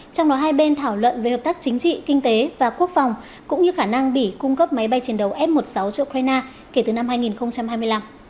trong đó hai bên thảo luận về hợp tác chính trị kinh tế và quốc phòng cũng như khả năng bỉ cung cấp máy bay chiến đấu f một mươi sáu cho ukraine kể từ năm hai nghìn hai mươi năm